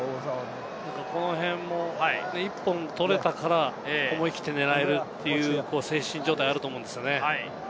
１本取れたから思い切って狙えるという精神状態はあると思うんですよね。